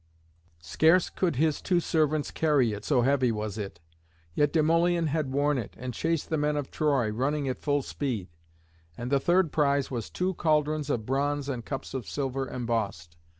Scarce could his two servants carry it, so heavy was it; yet Demoleon had worn it, and chased the men of Troy, running at full speed. And the third prize was two cauldrons of bronze and cups of silver embossed.